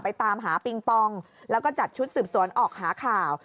ตามหาปิงปองแล้วก็จัดชุดสืบสวนออกหาข่าว